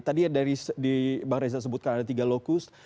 tadi yang di bang reza sebutkan ada tiga locus